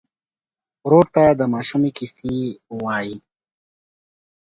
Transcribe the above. ورور ته د ماشومۍ کیسې وایې.